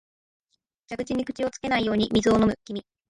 蛇口に口をつけないように水を飲む君、